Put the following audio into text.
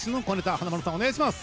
華丸さん、お願いします。